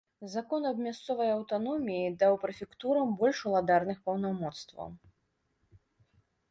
Закон аб мясцовай аўтаноміі даў прэфектурам больш уладарных паўнамоцтваў.